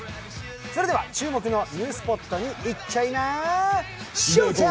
それでは注目のニュースポットに行っちゃいまＳＨＯＷＴＩＭＥ！。